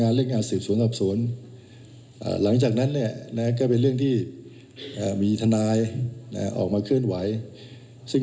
เคลื่อนไหวมารักษาที่จะมาฟ้อง